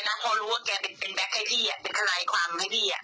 เพราะรู้ว่าแกเป็นแบคไทยที่อีกเป็นอะไรความไทยที่อีก